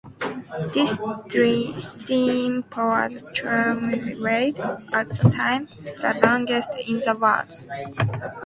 This steam powered tramway was, at the time, the longest in the world.